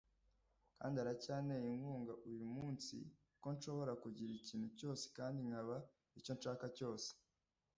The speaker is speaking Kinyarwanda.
kandi aracyanteye inkunga uyu munsi ko nshobora kugira ikintu cyose kandi nkaba icyo nshaka cyose